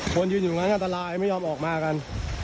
คนยืนอยู่กันแหละอันตลายไม่ยอมออกมาอากัน